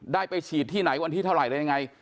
ได้ไปฉีดที่ไหนวันที่เท่าไหร่อะไรยังไง